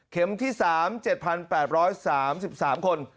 เข็มที่๓๗๘๓๓คน